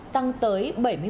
tăng tới bảy mươi một ba mươi ba